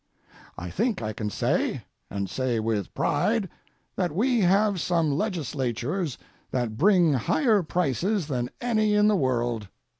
I think I can say, and say with pride, that we have some legislatures that bring higher prices than any in the world.